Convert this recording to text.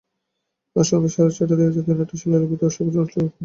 আজ সন্ধ্যা সাড়ে ছয়টায় জাতীয় নাট্যশালার লবিতে উৎসবের আনুষ্ঠানিক উদ্বোধন হবে।